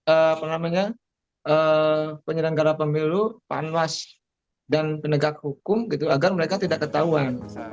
apa namanya penyelenggara pemilu panwas dan penegak hukum gitu agar mereka tidak ketahuan